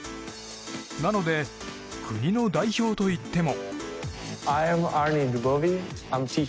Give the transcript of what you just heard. なので、国の代表といっても。